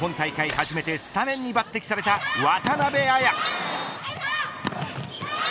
初めてスタメンに抜てきされた渡邊彩。